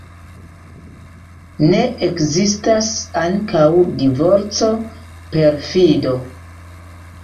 Ne ekzistas ankaŭ divorco, perfido.